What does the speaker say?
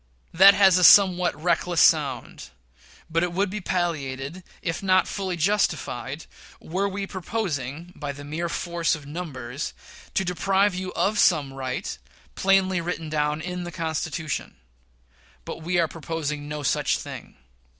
That has a somewhat reckless sound; but it would be palliated, if not fully justified, were we proposing, by the mere force of numbers, to deprive you of some right plainly written down in the Constitution. But we are proposing no such thing.